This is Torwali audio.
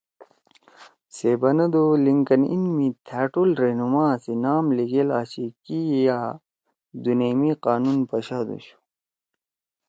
سے بنَدُو لِنکن اِن می تھأ ٹول رہنمآ سی نام لیِگیل آشی کی یأ دُونیئی می قانون پشادُوشُو